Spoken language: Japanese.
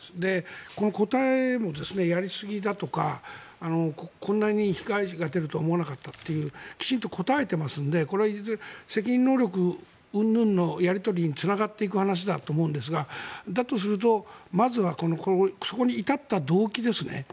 この答えも、やりすぎだとかこんなに被害者が出るとは思わなかったときちんと答えていますのでこれは責任能力うんぬんのやり取りにつながっていく話だと思うんですがだとすると、まずはそこに至った動機ですね。